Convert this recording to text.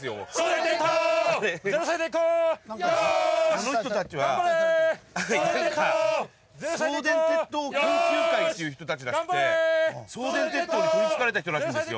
あの人たちはなんか送電鉄塔研究会っていう人たちらしくて送電鉄塔に取りつかれた人らしいんですよ。